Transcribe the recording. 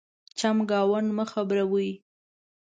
چمګاونډ مه خبرَوئ.